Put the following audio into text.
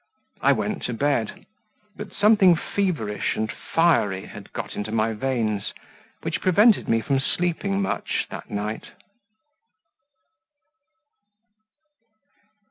I went to bed, but something feverish and fiery had got into my veins which prevented me from sleeping much that night.